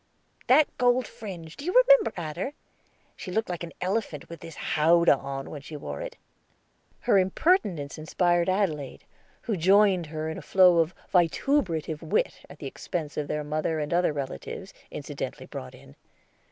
"That gold fringe, do you remember, Adder? She looked like an elephant with his howdah on when she wore it." Her impertinence inspired Adelaide, who joined her in a flow of vituperative wit at the expense of their mother and other relatives, incidentally brought in.